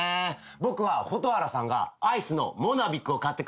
僕は蛍原さんがアイスのモナビッグを買ってくるシーンです。